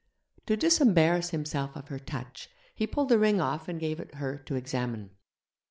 To disembarrass himself of her touch, he pulled the ring off and gave it her to examine.